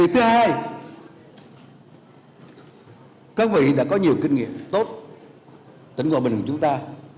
thứ hai các vị đã có nhiều kinh nghiệm tốt tỉnh hòa bình của chúng ta